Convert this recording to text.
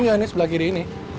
iya ini sebelah kiri